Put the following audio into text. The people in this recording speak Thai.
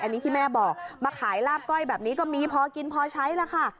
อันนี้ที่แม่บอกมาขายลาบก้อยแบบนี้ก็มีพอกินพอใช้แล้วค่ะ